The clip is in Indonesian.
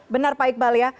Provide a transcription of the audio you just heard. benar pak iqbal ya